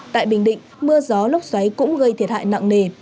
tại bình định mưa gió lốc xoáy cũng gây thiệt hại nặng nề